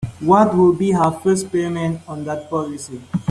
What would be her first payment on that policy?